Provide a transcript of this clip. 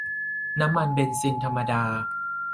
น้ำมันเบนซินธรรมดา